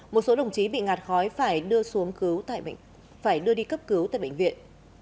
một số đồng chí bị ngạt khói phải đưa đi cấp cứu tại bệnh viện